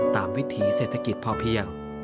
วิถีเศรษฐกิจพอเพียง